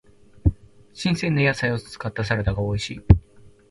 新鮮な野菜を使ったサラダが美味しい。